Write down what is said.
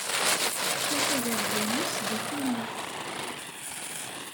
Tekka tagerda-nnes deg tumert.